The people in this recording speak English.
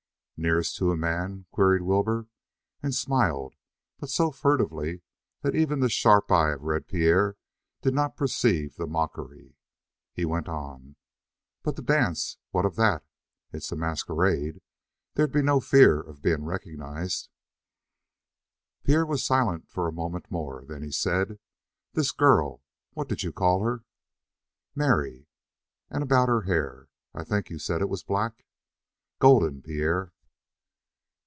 "Nearest to a man?" queried Wilbur, and smiled, but so furtively that even the sharp eye of Red Pierre did not perceive the mockery. He went on: "But the dance, what of that? It's a masquerade. There'd be no fear of being recognized." Pierre was silent a moment more. Then he said: "This girl what did you call her?" "Mary." "And about her hair I think you said it was black?" "Golden, Pierre."